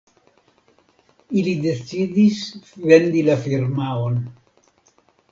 Ili decidis vendi la firmaon.